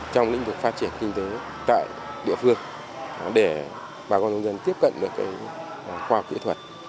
trong lĩnh vực phát triển kinh tế tại địa phương để bà con nông dân tiếp cận được khoa học kỹ thuật